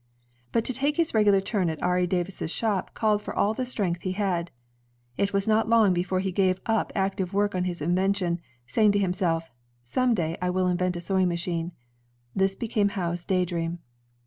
But to take his regular turn at Ari Davis's shop called for all the strength he had. It was not long before he gave up active work on his invention, saying to himself, "Some »day, I will invent a sewing machine." This became Howe's daydream.